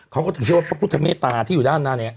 เขาถึงเชื่อว่าพระพุทธเมตตาที่อยู่ด้านใน